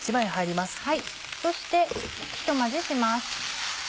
そしてひと混ぜします。